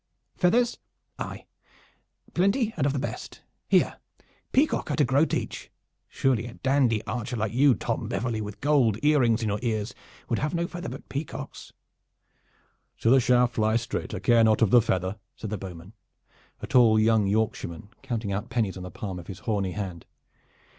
Feathers? Aye, plenty and of the best. Here, peacock at a groat each. Surely a dandy archer like you, Tom Beverley, with gold earrings in your ears, would have no feathering but peacocks?" "So the shaft fly straight, I care not of the feather," said the bowman, a tall young Yorkshireman, counting out pennies on the palm of his horny hand.